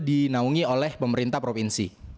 dinaungi oleh pemerintah provinsi